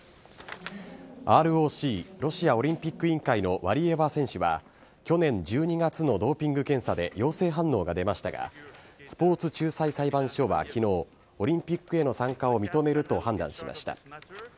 ＲＯＣ・ロシアオリンピック委員会のワリエワ選手は、去年１２月のドーピング検査で陽性反応が出ましたが、スポーツ仲裁裁判所はきのう、オリンピックへの参加を認めると判断しました。